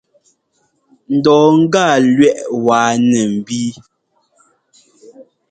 Ŋdɔ gâa lúɛʼ wáa nɛ nbíi.